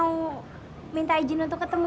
lu mau masak apa